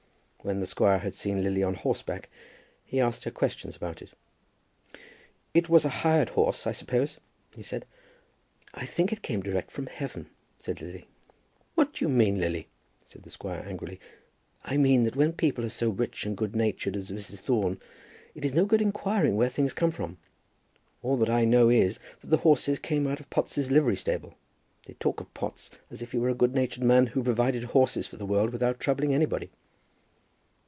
When the squire had seen Lily on horseback he asked her questions about it. "It was a hired horse, I suppose?" he said. "I think it came direct from heaven," said Lily. "What do you mean, Lily?" said the squire, angrily. "I mean that when people are so rich and good natured as Mrs. Thorne it is no good inquiring where things come from. All that I know is that the horses come out of Potts' livery stable. They talk of Potts as if he were a good natured man who provides horses for the world without troubling anybody."